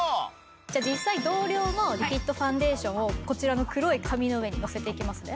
じゃあ実際同量のリキッドファンデーションをこちらの黒い紙の上にのせていきますね。